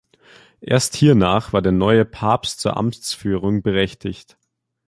Erst hiernach war der neue Papst zur Amtsführung berechtigt.